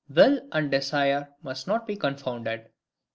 Will and Desire must not be confounded.